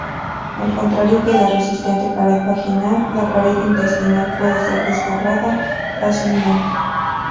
Al contrario que la resistente pared vaginal, la pared intestinal puede ser desgarrada fácilmente.